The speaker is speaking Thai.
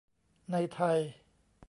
ในไทย